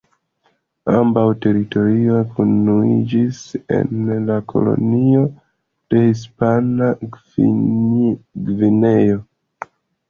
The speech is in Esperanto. Ambaŭ teritorioj unuiĝis en la kolonio de Hispana Gvineo.